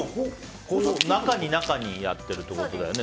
中に中にやってるってことだよね。